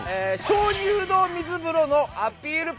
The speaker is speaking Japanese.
鍾乳洞水風呂のアピール